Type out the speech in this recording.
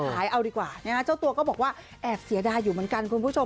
ขายเอาดีกว่านะฮะเจ้าตัวก็บอกว่าแอบเสียดายอยู่เหมือนกันคุณผู้ชม